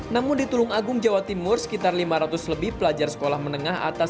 namun di tulung agung jawa timur sekitar lima ratus lebih pelajar sekolah menengah atas